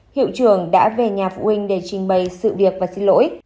hiệu trưởng đã về nhà phụ huynh để trình bày sự việc và xin lỗi